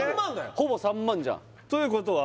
ほぼ３万じゃんということは？